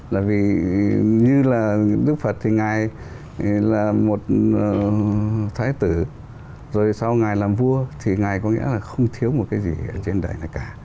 là vì như là giúp phật thì ngài là một thái tử rồi sau ngài làm vua thì ngài có nghĩa là không thiếu một cái gì trên đời này cả